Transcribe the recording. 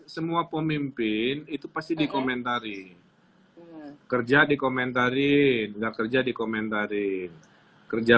semua pemimpin itu pasti dikomentar ini kerja dikomentar in enggak kerja dikomentar rih kerja